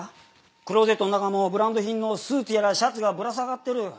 クローゼットの中もブランド品のスーツやらシャツがぶら下がってる。